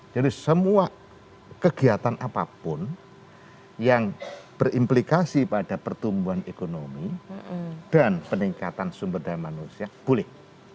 jadi semua kegiatan apapun yang berimplikasi pada pertumbuhan ekonomi dan peningkatan sumber daya manusia boleh